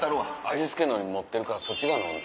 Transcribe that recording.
味付け海苔持ってるからそっち側のほうが。